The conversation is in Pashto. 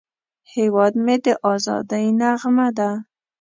هیواد مې د ازادۍ نغمه ده